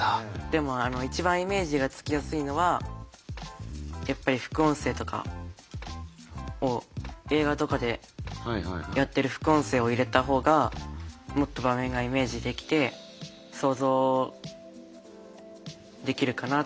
でも一番イメージがつきやすいのはやっぱり副音声とか映画とかでやってる副音声を入れた方がもっと画面がイメージできて想像できるかなって思います。